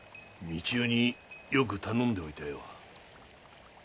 三千代によく頼んでおいたよ。